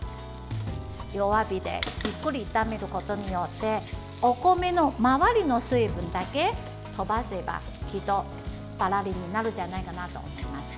弱火でじっくり炒めることによってお米の周りの水分だけ飛ばせばきっとパラリになるんじゃないかなと思います。